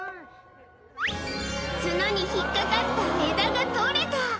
角に引っ掛かった枝が取れた。